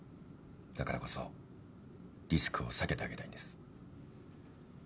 だからこそリスクを避けてあげたいんです。